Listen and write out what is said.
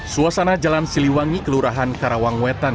suasana jalan siliwangi kelurahan karawang wetan